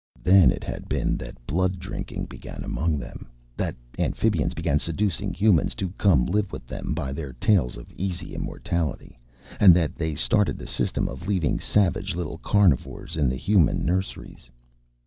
Then it had been that blood drinking began among them, that Amphibians began seducing Humans to come live with them by their tales of easy immortality, and that they started the system of leaving savage little carnivores in the Human nurseries.